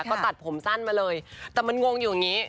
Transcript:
ก็ตัดผมสั้นมาเลยแต่มันงงอยู่อย่างนี้